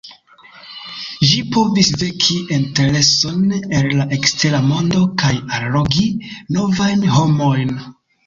Ĝi povus veki intereson el la ekstera mondo kaj allogi novajn homojn.